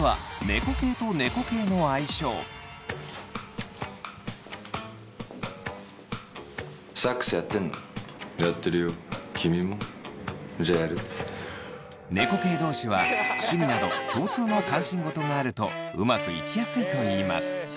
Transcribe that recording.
猫系同士は趣味など共通の関心事があるとうまくいきやすいといいます。